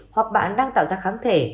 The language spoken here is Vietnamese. hoặc bạn đang tạo ra kháng thể